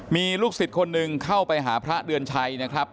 มีลูกศิษย์คนหนึ่งเข้าไปหาพระเดือนชัยนะครับ